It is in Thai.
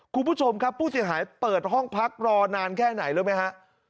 คุณผู้ชมครับผู้เสียหายเปิดห้องพักรอนานแค่ไหนรู้ไหมฮะ